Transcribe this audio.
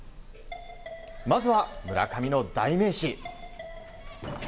まずは村上の代名詞。